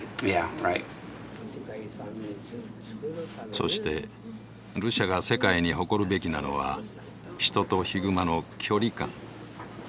そしてルシャが世界に誇るべきなのは人とヒグマの距離感。